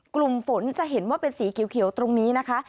กลุ่มฝนจะเห็นว่าเป็นสีเขียวตรงนี้นะคะ